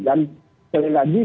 dan sekali lagi